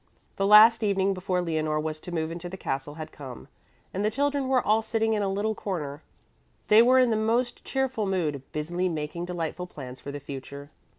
The last evening before Leonore was to move into the castle had come, and the children were all sitting in a little corner. They were in the most cheerful mood, busily making delightful plans for the future.